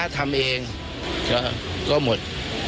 ทำเองก็หมด